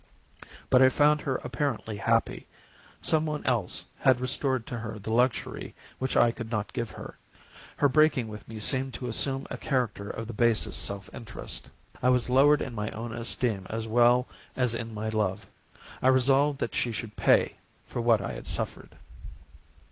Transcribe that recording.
But I found her apparently happy, someone else had restored to her the luxury which I could not give her; her breaking with me seemed to assume a character of the basest self interest; I was lowered in my own esteem as well as in my love. I resolved that she should pay for what I had suffered.